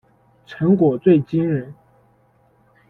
成果最惊人